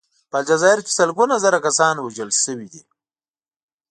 په الجزایر کې سلګونه زره کسان وژل شوي دي.